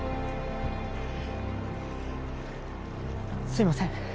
すいません。